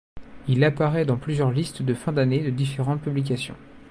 Il apparait dans plusieurs listes de fin d'année de différentes publications.